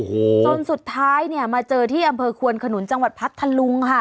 โอ้โหจนสุดท้ายเนี่ยมาเจอที่อำเภอควนขนุนจังหวัดพัทธลุงค่ะ